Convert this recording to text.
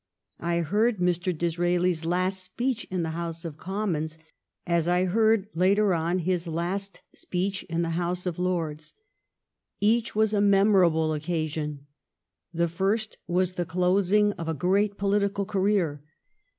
I heard Mr. Disraeli's last speech in the House of Com mons, as I heard later on his last speech in the House of Lords. Each was a memorable occa sion. The first was the closing of a great politi cal career.